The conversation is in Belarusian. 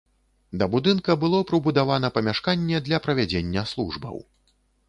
Да будынка было прыбудавана памяшканне для правядзення службаў.